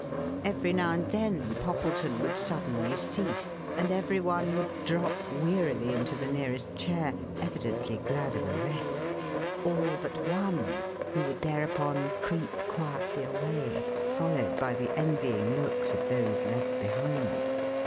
Every now and then Poppleton would suddenly cease, and everyone would drop wearily into the nearest chair, evidently glad of a rest; all but one, who would thereupon creep quietly away, followed by the envying looks of those left behind.